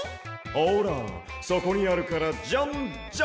ほらそこにあるからジャンジャンもってきてくれ！